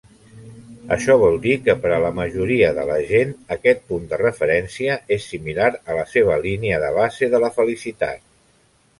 Això vol dir que per a la majoria de la gent, aquest punt de referència és similar a la seva línia de base de la felicitat.